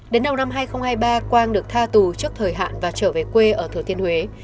đến đầu năm hai nghìn hai mươi ba quang được tha tù trước thời hạn và trở về quê ở thừa thiên huế